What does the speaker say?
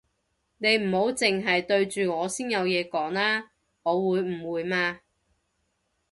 你唔好剩係對住我先有嘢講啦，我會誤會嘛